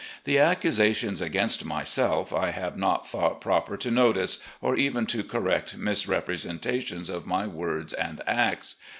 The accusations against myself I have not thought proper to notice, or even to correct mis representations of my words and acts.